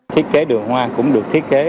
thiết kế đường hoa cũng được thiết kế